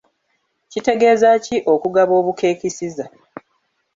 Kitegeeza ki okugaba obukeekisiza?